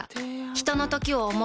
ひとのときを、想う。